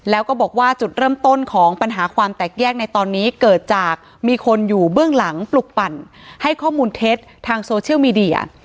แล้วก็บอกว่าจุดเริ่มต้นของปัญหาความแตกแยกในตอนนี้เกิดจากมีคนอยู่เบื้องหลังปลุกปั่นให้ข้อมูลเท็จทางโซเชียลมีเดีย